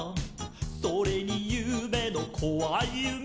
「それにゆうべのこわいゆめ」